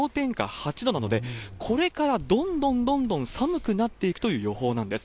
８度なので、これからどんどんどんどん寒くなっていくという予報なんです。